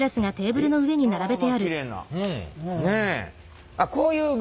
きれいな。